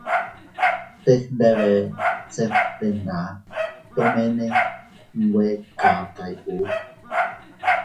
Teg ndebe se bte nda tomene nwe kakay u.